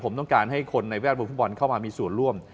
ผมต้องการให้คนในแวดวงฟุตบอลเข้ามามีส่วนร่วม